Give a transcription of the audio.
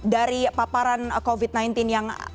dari paparan covid sembilan belas yang